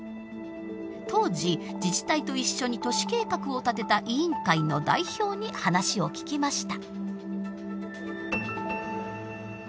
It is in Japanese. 当時自治体と一緒に都市計画を立てた委員会の代表に話を聞きました。